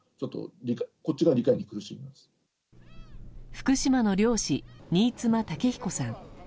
福島の漁師・新妻竹彦さん。